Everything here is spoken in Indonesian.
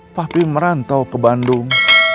papi merantau ke bandung